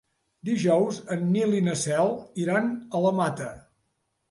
Dijous en Nil i na Cel iran a la Mata.